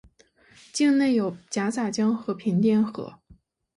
境内有戛洒江和平甸河。